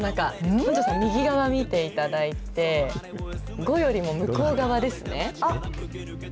本上さん、右側見ていただいて、５よりも向こう側ですね。